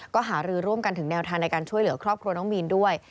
ก็หารือร่วมกันถึงแนวทางในการช่วยเหลือครอบครัวน้องมีนด้วย